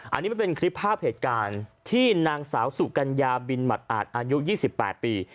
อันนี้มันเป็นคลิปภาพเหตุการณ์ที่นางสาวสุกัญญาบินหมัดอาจอายุ๒๘ปี